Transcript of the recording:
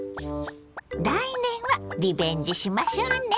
来年はリベンジしましょうね。